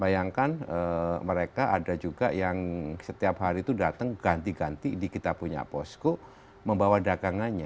bayangkan mereka ada juga yang setiap hari itu datang ganti ganti di kita punya posko membawa dagangannya